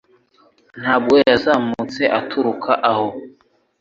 nibwo yazamutse aturuka aho